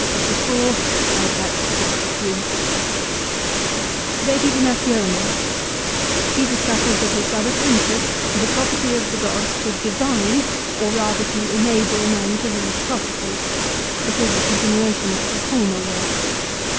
f De Divina He discusses with his brother Quintus the property tione of the gods to " divine," or rather to enable men to read prophecies. It is a continuation of a former work.